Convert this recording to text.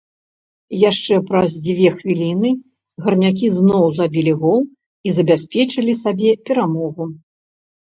Яшчэ праз дзве хвіліны гарнякі зноў забілі гол і забяспечылі сабе перамогу.